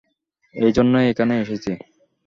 এজন্যই এখানে এসেছি।